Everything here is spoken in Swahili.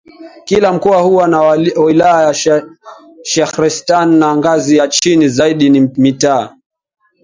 Kila mkoa huwa na wilaya shahrestan na ngazi ya chini zaidi ni mitaa